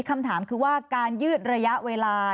คำถามคือว่าการยืดระยะเวลา